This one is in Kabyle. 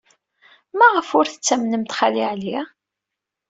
Maɣef ur tettamnemt Xali Ɛli?